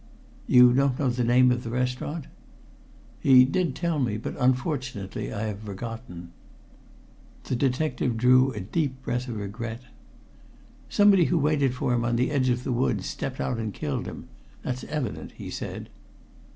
"You don't know the name of the restaurant?" "He did tell me, but unfortunately I have forgotten." The detective drew a deep breath of regret. "Someone who waited for him on the edge of that wood stepped out and killed him that's evident," he said.